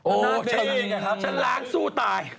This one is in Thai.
โอ้โหฉันล้างสู้ตาย